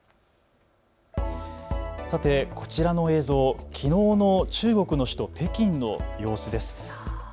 さて、こちらの映像、きのうの中国の首都北京の様子です。